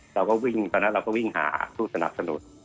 เราก็วิ่งตอนนั้นเราก็วิ่งหาผู้สนับสนุน